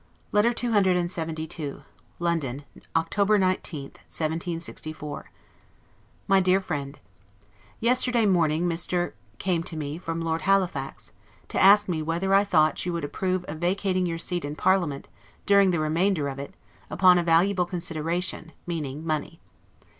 LETTER CCLXXII LONDON, October 19, 1764. MY DEAR FRIEND: Yesterday morning Mr. came to me, from Lord Halifax, to ask me whether I thought you would approve of vacating your seat in parliament, during the remainder of it, upon a valuable consideration, meaning MONEY.